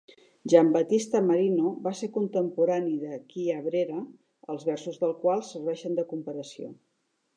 Giambattista Marino va ser contemporani de Chiabrera, els versos del qual serveixen de comparació.